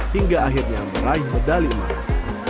hingga akhirnya meraih medali emas